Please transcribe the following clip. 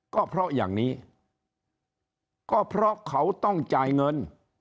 ก็เพราะอย่างนี้ก็เพราะเขาต้องจ่ายเงิน